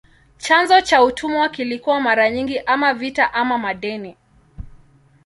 Chanzo cha utumwa kilikuwa mara nyingi ama vita ama madeni.